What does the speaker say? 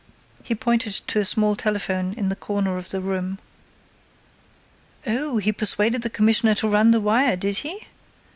He pointed to a small telephone in a corner of the room. "Oh, he persuaded the Commissioner to run the wire, did he?"